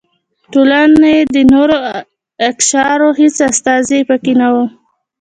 ټولنې د نورو اقشارو هېڅ استازي پکې نه و.